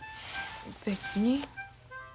別に。